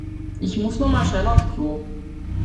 Ich muss nur mal schnell auf’s Klo.